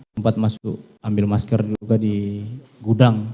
sempat masuk ambil masker juga di gudang